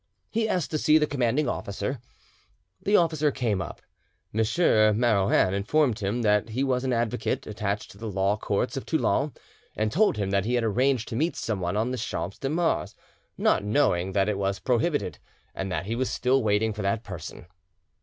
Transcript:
He asked to see the commanding officer. The officer came up: M. Marouin informed him that he was an avocat, attached to the law courts of Toulon, and told him that he had arranged to meet someone on the Champs de Mars, not knowing that it was prohibited, and that he was still waiting for that person.